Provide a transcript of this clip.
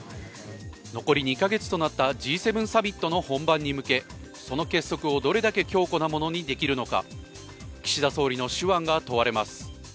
残り２か月となったＧ７サミットの本番に向けその結束をどれだけ強固なものにできるのか、岸田総理の手腕が問われます。